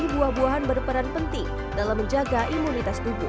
buah buahan berperan penting dalam menjaga imunitas tubuh